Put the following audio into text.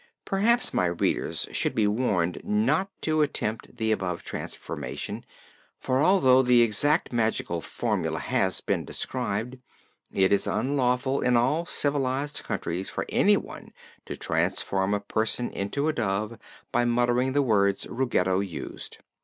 (Perhaps my readers should be warned not to attempt the above transformation; for, although the exact magical formula has been described, it is unlawful in all civilized countries for anyone to transform a person into a dove by muttering the words Ruggedo used.